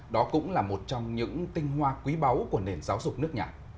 đó cũng là một trong những tinh hoa quý báu của nền giáo dục nước nhà